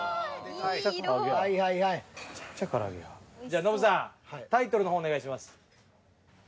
じゃあノブさんタイトルの方お願いします。